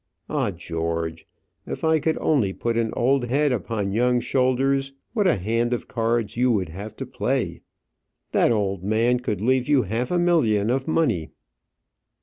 Ah, George! if I could only put an old head upon young shoulders, what a hand of cards you would have to play! That old man could leave you half a million of money!"